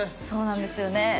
そうなんですよね。